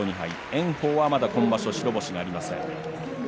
炎鵬は、まだ今場所白星がありません。